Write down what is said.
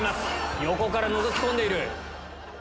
横からのぞき込んでいる。